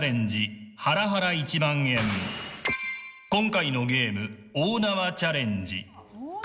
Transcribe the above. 今回のゲーム、大縄チャレンジ。